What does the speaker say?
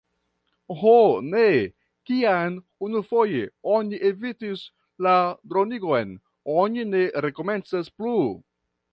Ho, ne! Kiam unufoje oni evitis la dronigon, oni ne rekomencas plu.